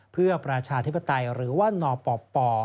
เพื่อประชาธิปไตยหรือว่านปป